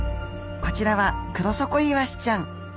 こちらはクロソコイワシちゃん。